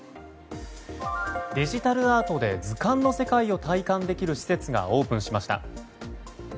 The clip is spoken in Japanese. デジタルアートで図鑑の世界を体感できる世界がオープンしました。